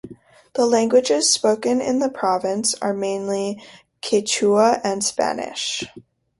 The languages spoken in the province are mainly Quechua and Spanish.